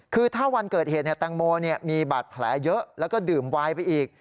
คือถ้าวันเกิดเหตุแตงโมมีบาดแผลเยอะแล้วก็ดื่มวายไปอีก